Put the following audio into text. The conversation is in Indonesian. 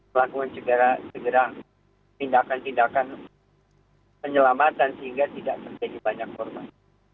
melakukan segera tindakan tindakan penyelamatan sehingga tidak terjadi banyak korban